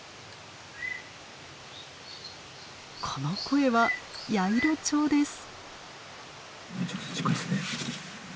この声はヤイロチョウです。